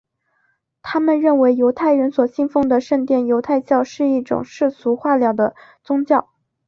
他们认为犹太人所信奉的圣殿犹太教是一种世俗化了的宗教。